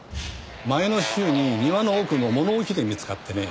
前の週に庭の奧の物置で見つかってね。